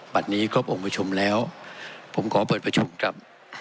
บัตรนี้ครบองค์ประชุมแล้วผมขอเปิดประชุมครับ